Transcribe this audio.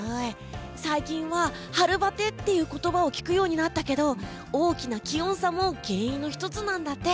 最近は春バテという言葉を聞くようになったけど大きな気温差も原因の１つなんだって。